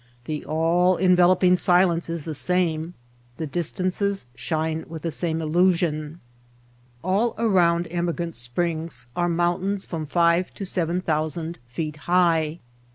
The all enveloping silence is the same. The distances shine with the same illusion. All around Emigrant Springs are mountains from five to seven thousand feet high.